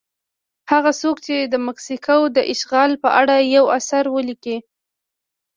هغه څوک چې د مکسیکو د اشغال په اړه یو اثر ولیکه.